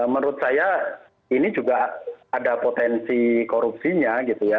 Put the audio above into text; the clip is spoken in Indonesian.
menurut saya ini juga ada potensi korupsinya gitu ya